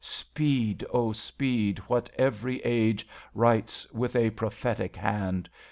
Speed, O speed what every age Writes with a prophetic hand.